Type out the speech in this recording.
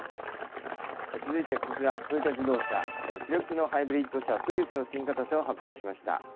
続いてこちら、トヨタ自動車、主力のハイブリッド車、プリウスの新型車を発表しました。